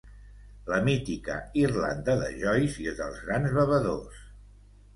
La mítica Irlanda de Joyce i dels grans bevedors.